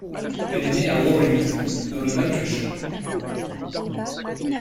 Elle est née à Warrington, dans le Lancashire.